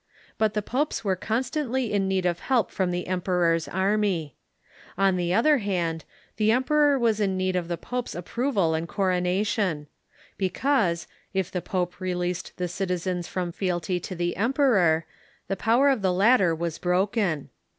But the popes were constantly New German j,^ need of help from the emperor's armv. On the Power _,^*. 1 r" 1 ^ other hand, the emperor was in need ot the pope s approval and coronation ; because, if the pope released the cit izens from fealty to the emperor, the power of the latter was broken.